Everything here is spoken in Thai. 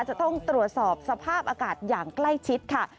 จะต้องตรวจสอบสภาพอากาศอย่างใกล้ชิดค่ะ